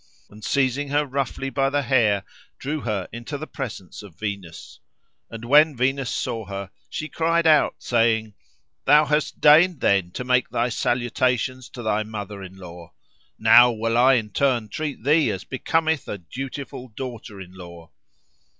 And seizing her roughly by the hair, drew her into the presence of Venus. And when Venus saw her, she cried out, saying, "Thou hast deigned then to make thy salutations to thy mother in law. Now will I in turn treat thee as becometh a dutiful daughter in law!"